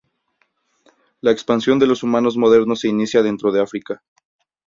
La expansión de los humanos modernos se inicia dentro de África.